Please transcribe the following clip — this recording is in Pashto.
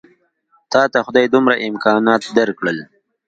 تاته خدای دومره امکانات درکړل.